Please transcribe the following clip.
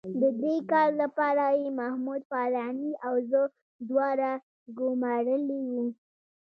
د دې کار لپاره یې محمود فاراني او زه دواړه ګومارلي وو.